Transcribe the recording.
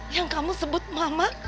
yang kamu sebut mama